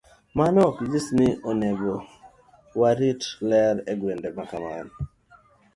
Mano ok nyis ni ok onego warit ler e gwenge ma kamago.